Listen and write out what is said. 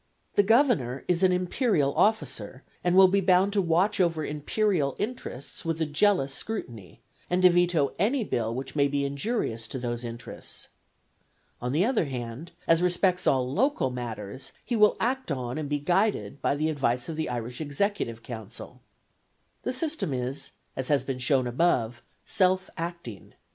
The governor is an imperial officer, and will be bound to watch over imperial interests with a jealous scrutiny, and to veto any bill which may be injurious to those interests. On the other hand, as respects all local matters, he will act on and be guided by the advice of the Irish executive council. The system is, as has been shown above, self acting.